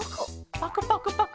パクパクパク。